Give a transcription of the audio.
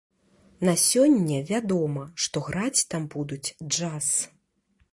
На сёння вядома, што граць там будуць джаз.